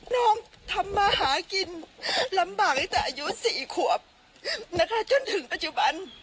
น้องทำมาหากินลำบากตั้งแต่อายุ๔ขวบนะคะจนถึงปัจจุบัน